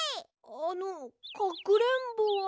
あのかくれんぼは？